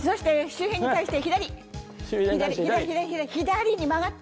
秀平に対して左左左左に曲がって！